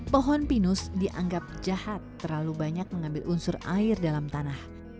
pohon pinus dianggap jahat terlalu banyak mengambil unsur air dalam tanah